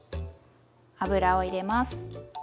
油を入れます。